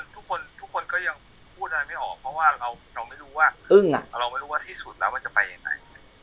ทุกคนก็ยังพูดใดไม่ออกเพราะว่าเราไม่รู้ว่าเราไม่รู้ว่าที่สุดร้อยเกี่ยวจะไปยังไง